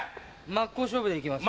真っ向勝負でいきます。